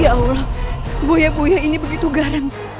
ya allah boya boya ini begitu garam